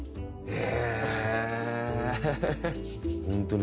え！